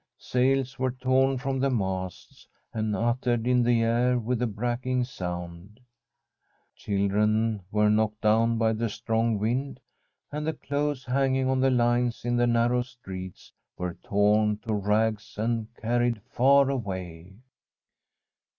Sails were torn from the masts, and uttered in the air with a cracking sound ; chil dren were knocked down by the strong wind ; and the clothes hanging on the lines in the narrow streets were torn to rags and carried far away.